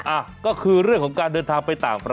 สวัสดีคุณชิสานะฮะสวัสดีคุณชิสานะฮะ